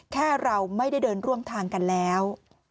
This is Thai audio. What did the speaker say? แค่เราไม่ได้เดินร่วมทางกันแล้ว